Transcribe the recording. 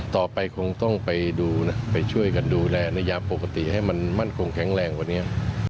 ต่อไปคงต้องไปดูนะไปช่วยกันดูแลนัยยาปกติให้มันมั่นคงแข็งแรงกว่านี้